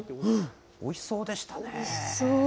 おいしそうでした。